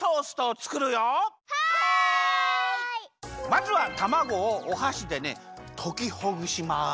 まずはたまごをおはしでねときほぐします。